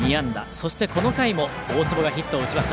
そして、この回も大坪がヒットを打ちました。